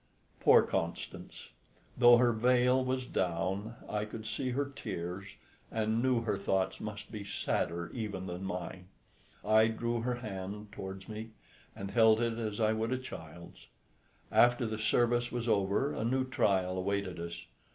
Poor Constance! Though her veil was down, I could see her tears, and knew her thoughts must be sadder even than mine: I drew her hand towards me, and held it as I would a child's. After the service was over a new trial awaited us.